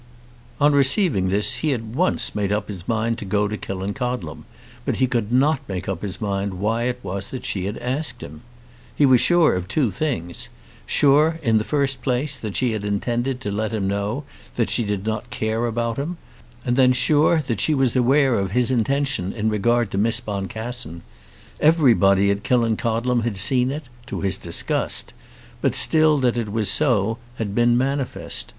On receiving this he at once made up his mind to go to Killancodlem, but he could not make up his mind why it was that she had asked him. He was sure of two things; sure in the first place that she had intended to let him know that she did not care about him; and then sure that she was aware of his intention in regard to Miss Boncassen. Everybody at Killancodlem had seen it, to his disgust; but still that it was so had been manifest.